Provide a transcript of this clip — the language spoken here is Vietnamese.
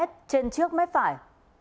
trên trước mép phải